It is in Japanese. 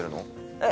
ええ。